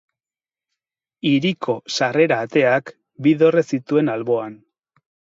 Hiriko sarrera ateak bi dorre zituen alboan.